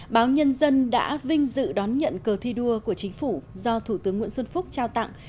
báo nhân dân đã vinh dự đón nhận cờ thi đua của chính phủ do thủ tướng nguyễn xuân phúc trao tặng